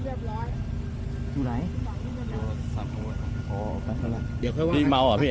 เพื่อนนี่